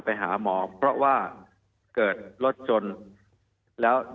มีความรู้สึกว่ามีความรู้สึกว่า